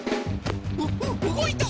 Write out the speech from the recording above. うううごいた！